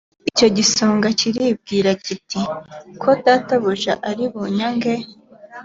icyo gisonga kiribwira kiti ko databuja ari bunyage